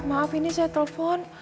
maaf ini saya telepon